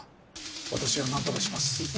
私が何とかします。